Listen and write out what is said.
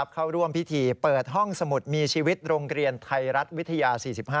เข้าร่วมพิธีเปิดห้องสมุดมีชีวิตโรงเรียนไทยรัฐวิทยา๔๕